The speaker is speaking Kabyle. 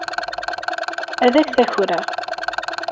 Ad ak-t-akreɣ.